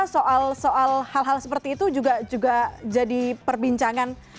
soal hal hal seperti itu juga jadi perbincangan